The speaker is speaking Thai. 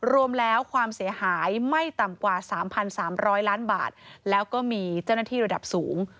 รวมแล้วความเสียหายไม่ต่ำกว่า๓๓๐๐ล้านบาทแล้วก็มีเจ้าหน้าที่ระดับสูง